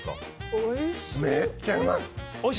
めっちゃうまい！